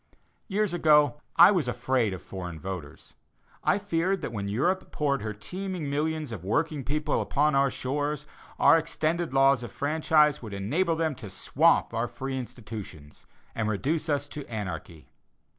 Years ago, I was afraid of foreign voters. I feared that when Europe poured her teeming millions of working people upon our shores, our extended laws of franchise would enable them to swamp our free institutions, and reduce us to anarchy.